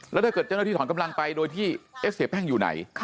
แล้วถ้าเกิดเจ้าหน้าที่ถอนกำลังไปโดยที่เสียแป้งอยู่ไหน